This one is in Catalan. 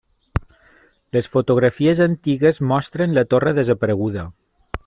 Les fotografies antigues mostren la torre desapareguda.